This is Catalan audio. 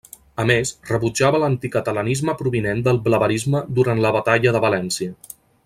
A més, rebutjava l'anticatalanisme provinent del blaverisme durant la Batalla de València.